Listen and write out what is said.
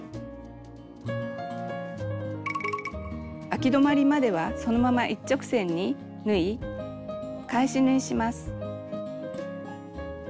あき止まりまではそのまま一直線に縫い返し縫いします。